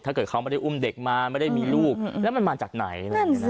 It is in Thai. ถ้าเกิดเขาไม่ได้อุ้มเด็กมาไม่ได้มีลูกแล้วมันมาจากไหน